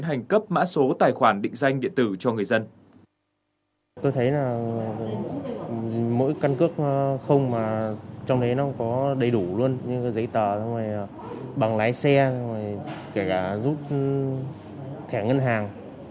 hành cấp mã số tài khoản định danh điện tử cho người dân